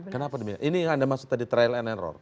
kenapa demikian ini yang anda maksud tadi trial and error